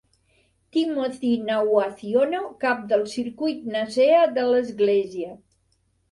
Timoci Nawaciono, cap del circuit Nasea de l'església.